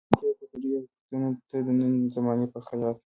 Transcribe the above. اخلاقي او کلتوري حقیقتونو ته د نن زمانې په خیاط.